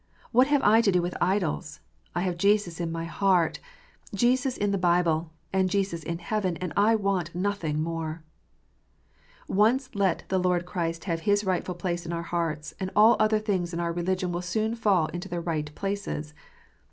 What have I to do with idols ? I have Jesus in my heart, Jesus in the Bible, and Jesus in heaven, and I want nothing more !" Once let the Lord Christ have His rightful place in our hearts, and all other things in our religion will soon fall into their right places.